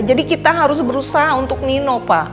jadi kita harus berusaha untuk menguruskan dia